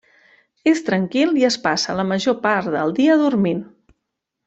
És tranquil i es passa la major part del dia dormint.